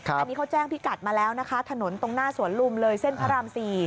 อันนี้เขาแจ้งพิกัดมาแล้วนะคะถนนตรงหน้าสวนลุมเลยเส้นพระราม๔